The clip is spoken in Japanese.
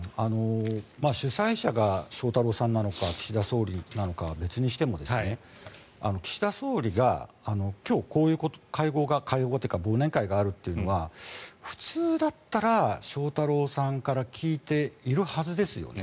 主催者が翔太郎さんなのか岸田総理なのかは別にしても岸田総理がこういう会合というか忘年会があるというのは普通だったら翔太郎さんから聞いているはずですよね。